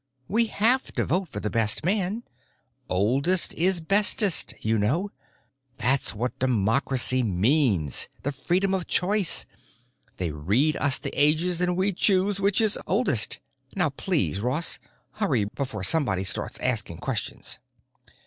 We have to vote for the best man. 'Oldest Is Bestest,' you know. That's what Democracy means, the freedom of choice. They read us the ages, and we choose which is oldest. Now please, Ross, hurry before somebody starts asking questions!"